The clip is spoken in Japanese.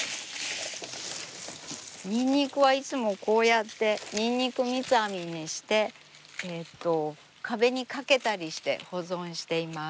にんにくはいつもこうやってにんにく三つ編みにして壁にかけたりして保存しています。